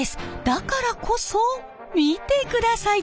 だからこそ見てください